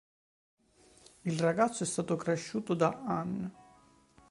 Il ragazzo è stato cresciuto da Anne.